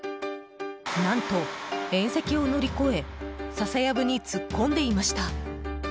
何と縁石を乗り越え笹やぶに突っ込んでいました。